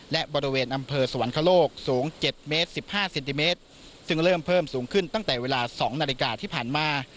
และบริเวณอำเภอสวรรคโลกสูง๗เมตร๑๕เซนติเมตรซึ่งเริ่มเพิ่มสูงขึ้นตั้งแต่เวลา๒นาฬิกาที่ผ่านมา